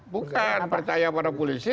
bukan percaya pada polisi